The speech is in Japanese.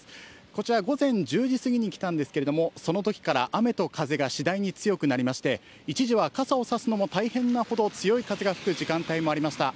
こちら午前１０時過ぎに来たんですけれども、そのときから雨と風がしだいに強くなりまして、一時は傘を差すのも大変なほど、強い風が吹く時間帯もありました。